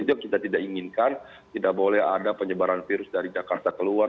itu kita tidak inginkan tidak boleh ada penyebaran virus dari jakarta ke luar